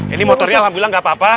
ini motornya alhamdulillah gak apa apa